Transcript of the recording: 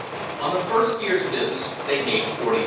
On the first year's business they made $40,000.